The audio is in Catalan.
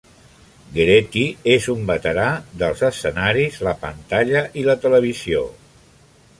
Gerety és un veterà dels escenaris, la pantalla i la televisió.